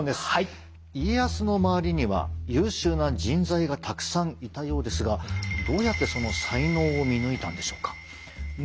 家康の周りには優秀な人材がたくさんいたようですがどうやってその才能を見抜いたんでしょうか？